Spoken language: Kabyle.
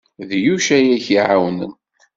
D Yuc ay aɣ-iɛawnen.